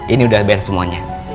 ini udah bayar semuanya